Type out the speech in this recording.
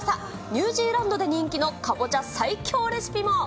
ニュージーランドで人気のカボチャ最強レシピも。